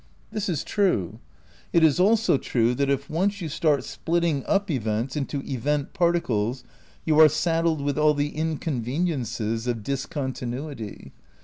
This is true. It is also true that if once you start splitting up events into event particles you are saddled with all the inconven iences of discontinuity.